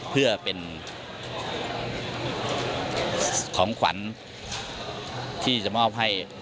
เพื่อเป็นของขวัญที่จะมอบให้